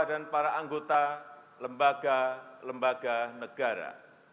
dan para anggota lembaga lembaga negara